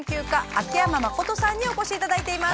秋山眞人さんにお越しいただいています。